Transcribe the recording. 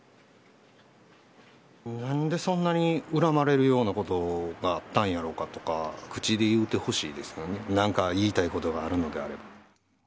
なんでそんなに恨まれるようなことがあったんやろうかとか、口で言うてほしいですよね、なんか言いたいことがあるのであれば。